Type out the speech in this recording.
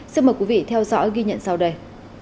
xin mời quý vị theo dõi ghi nhận sau đây